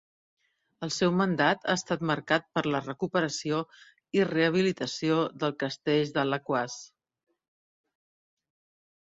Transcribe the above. El seu mandat ha estat marcat per la recuperació i rehabilitació del Castell d'Alaquàs.